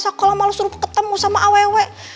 sakolah malu suruh ketemu sama awewe